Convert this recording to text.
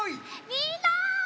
みんな！